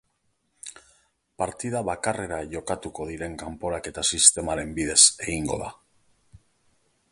Partida bakarrera jokatuko diren kanporaketa sistemaren bidez egingo da.